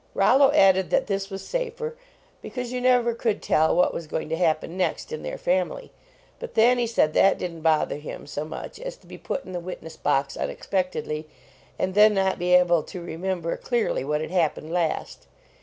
Rollo added that this was safer, because you never could tell what was going to hap pen next in their family, but Thanny said that didn t bother him so much as to be put in the witness box unexpectedly, and then not be able to remember clearly what had hap pened last.